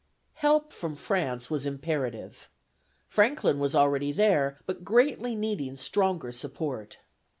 Help from France was imperative. Franklin was already there, but greatly needing stronger support.